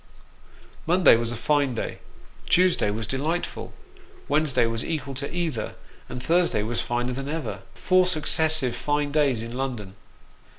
Monday was a fine day, Tuesday was delightful, Wednesday was equal to either, and Thursday was finer than ever ; four successive fine days in London